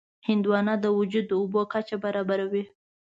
هندوانه د وجود د اوبو کچه برابروي.